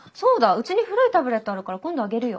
うちに古いタブレットあるから今度あげるよ。